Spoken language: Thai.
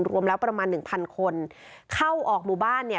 รวมแล้วประมาณหนึ่งพันคนเข้าออกหมู่บ้านเนี่ย